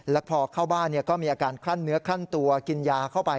แล้วพอเข้าบ้านก็มีอาการคลั่นเนื้อคลั่นตัวกินยาเข้าไป